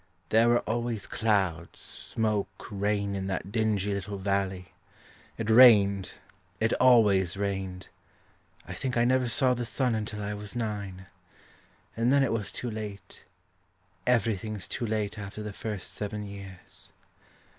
There wre always clouds, smoke, rain In that dingly little valley. It rained; it always rained. I think I never saw the sun until I was nine And then it was too late; Everything's too late after the first seven years.